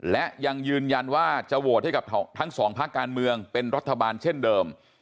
และยังยืนยันว่าจะโหวตให้กับทั้งสองภาคการเมืองเป็นรัฐบาลเช่นเดิม